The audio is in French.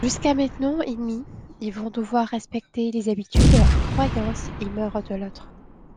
Jusqu'à maintenant ennemis, ils vont devoir respecter les habitudes, croyances et mœurs de l'autre.